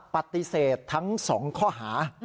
ปฏิเสธทั้ง๒ข้อหา